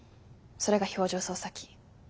それが表情操作機。